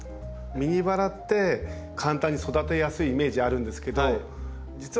ミニバラって簡単に育てやすいイメージあるんですけど実はね